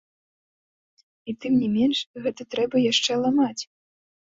І тым не менш, гэта трэба яшчэ ламаць.